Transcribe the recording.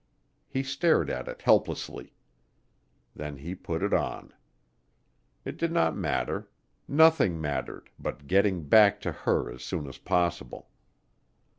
He stared at it helplessly. Then he put in on. It did not matter nothing mattered but getting back to her as soon as possible.